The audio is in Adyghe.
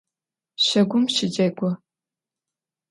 Şagum şıcegu!